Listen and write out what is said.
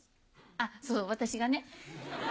あっそう私がね。